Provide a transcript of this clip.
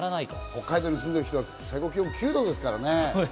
北海道に住んでいる人は最高気温９度ですからね。